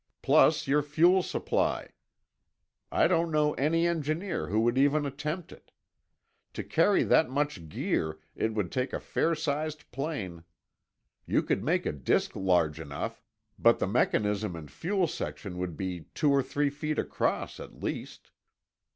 Plus your fuel supply. I don't know any engineer who would even attempt it. To carry that much gear, it would take a fair sized plane. You could make a disk large enough, but the mechanism and fuel section would be two or three feet across, at least.